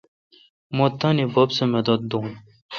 مہ تانی بب سہ مدد دون۔